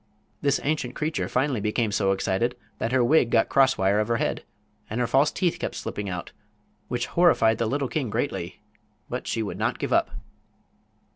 This ancient creature finally became so excited that her wig got crosswise of her head and her false teeth kept slipping out, which horrified the little king greatly; but she would not give up.